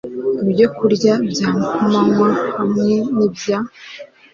Ibyokurya bya kumanywa hamwe n’ibya